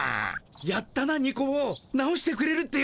やったなニコ坊直してくれるってよ。